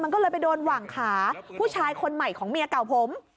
มันก็เลยไปโดนหว่างขาผู้ชายคนใหม่ของเมียเก่าผม